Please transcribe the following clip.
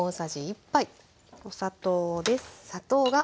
お砂糖です。